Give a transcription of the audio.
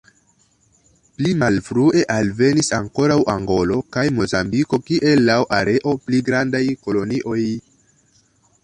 Pli malfrue alvenis ankoraŭ Angolo kaj Mozambiko kiel laŭ areo pli grandaj kolonioj.